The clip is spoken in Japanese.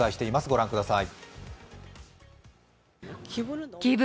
ご覧ください。